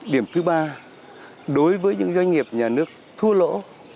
điểm thứ ba đối với những doanh nghiệp nhà nước thua lỗ